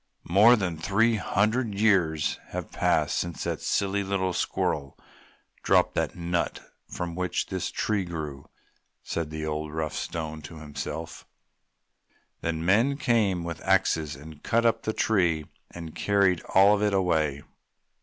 "More than three hundred years have passed since that silly little squirrel dropped the nut from which this tree grew!" said the old, rough Stone to himself. Then men came with axes and cut up the tree and carried all of it away.